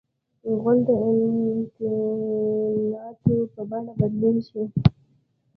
غول د انتاناتو په بڼه بدلیږي.